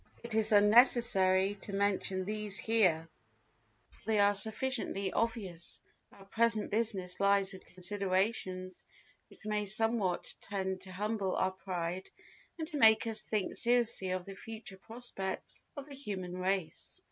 It is unnecessary to mention these here, for they are sufficiently obvious; our present business lies with considerations which may somewhat tend to humble our pride and to make us think seriously of the future prospects of the human race.